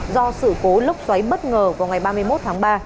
do sự cố lốc xoáy bất ngờ vào ngày ba mươi một tháng ba